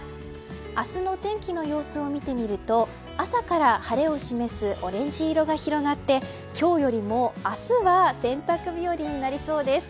明日の天気の様子を見てみると朝から晴れを示すオレンジ色が広がって今日よりも明日は洗濯日和になりそうです。